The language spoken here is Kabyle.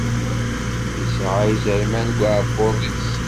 Isεa izerman deg uεebbuḍ-is.